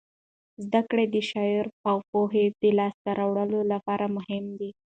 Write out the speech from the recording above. زده کړه د شعور او پوهاوي د لاسته راوړلو لپاره مهم دی.